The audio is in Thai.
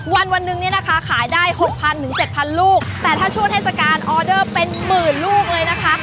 วันวันหนึ่งเนี่ยนะคะขายได้๖๐๐๗๐๐ลูกแต่ถ้าช่วงเทศกาลออเดอร์เป็นหมื่นลูกเลยนะคะ